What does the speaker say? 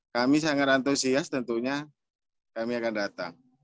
kami sangat antusias tentunya kami akan datang